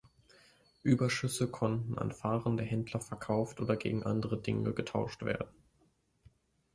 Überschüsse konnten an fahrende Händler verkauft oder gegen andere Dinge getauscht werden.